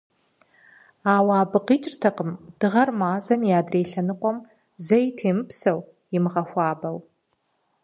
Ауэ абы къикӏыркъым Дыгъэр Мазэм и адрей лъэныкъуэм зэи темыпсэу, имыгъэхуабэу.